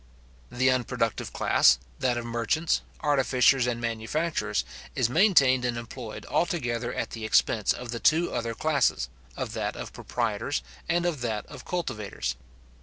The unproductive class, that of merchants, artificers, and manufacturers, is maintained and employed altogether at the expense of the two other classes, of that of proprietors, and of that of cultivators.